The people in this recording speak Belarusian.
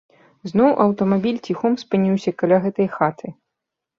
Зноў аўтамабіль ціхом спыніўся каля гэтай хаты.